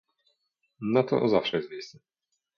Na to zawsze jest miejsce